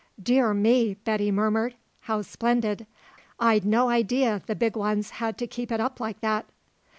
"Dear me," Betty murmured. "How splendid. I'd no idea the big ones had to keep it up like that."